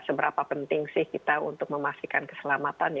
seberapa penting sih kita untuk memastikan keselamatan